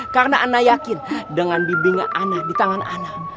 karena anak yakin dengan bibingan anak di tangan anak